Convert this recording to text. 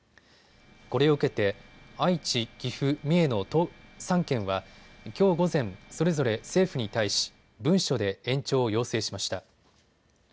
これを受けて愛知、岐阜、三重の３県はきょう午前、それぞれ政府に対し文書で延長を要請しました。